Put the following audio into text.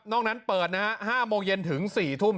นั้นเปิดนะฮะ๕โมงเย็นถึง๔ทุ่ม